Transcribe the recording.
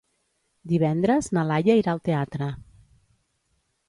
Divendres na Laia irà al teatre.